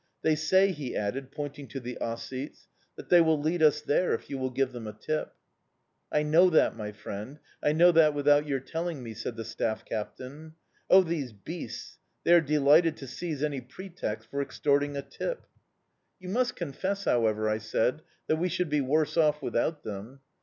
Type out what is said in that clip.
They say," he added, pointing to the Ossetes, "that they will lead us there if you will give them a tip." "I know that, my friend, I know that without your telling me," said the staff captain. "Oh, these beasts! They are delighted to seize any pretext for extorting a tip!" "You must confess, however," I said, "that we should be worse off without them."